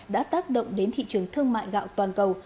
đã tác động đến thị trường thương mại gạo toàn cầu